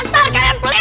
dasar kalian pelit